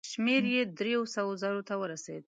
شمېر یې دریو سوو زرو ته ورسېد.